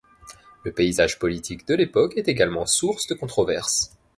Le paysage politique de l'époque est également source de controverse.